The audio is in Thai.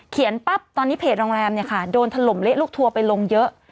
ปั๊บตอนนี้เพจโรงแรมเนี่ยค่ะโดนถล่มเละลูกทัวร์ไปลงเยอะ